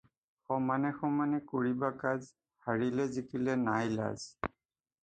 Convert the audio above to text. সমনে সমানে কৰিবা কাজ, হাৰিলে- জিকিলে নাই লাজ।